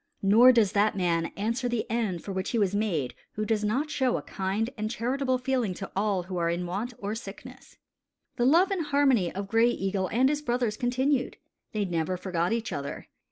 Nor does that man answer the end for which he was made who does not show a kind and charitable feeling to all who are in want or sickness. The love and harmony of Gray Eagle and his brothers continued. They never forgot each other.